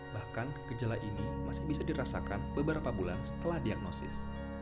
bahkan gejala ini masih bisa dirasakan beberapa bulan setelah diagnosis